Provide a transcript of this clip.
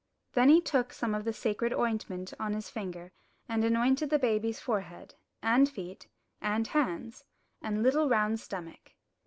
Then he took some of the sacred ointment on his finger and anointed the baby's forehead, and feet, and hands, and little round stomach.